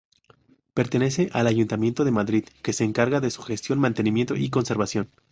Pertenece al Ayuntamiento de Madrid, que se encarga de su gestión, mantenimiento y conservación.